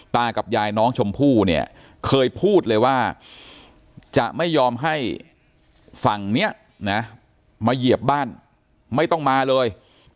ตากับยายน้องชมพู่เนี่ยเคยพูดเลยว่าจะไม่ยอมให้ฝั่งนี้นะมาเหยียบบ้านไม่ต้องมาเลย